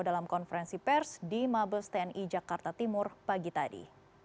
dalam konferensi pers di mabes tni jakarta timur pagi tadi